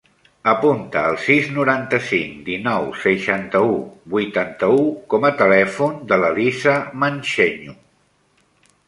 Apunta el sis, noranta-cinc, dinou, seixanta-u, vuitanta-u com a telèfon de l'Elisa Mancheño.